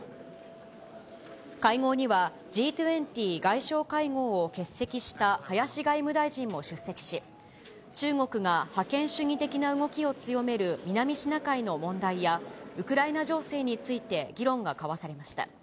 会合には、Ｇ２０外相会合を欠席した林外務大臣も出席し、中国が覇権主義的な動きを強める南シナ海の問題や、ウクライナ情勢について議論が交わされました。